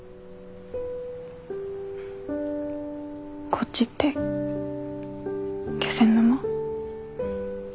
こっちって気仙沼？